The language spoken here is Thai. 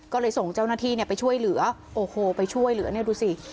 ก็เลยส่งเจ้าหน้าที่เนี่ยไปช่วยเหลือโอ้โหไปช่วยเหลือเนี่ยดูสิ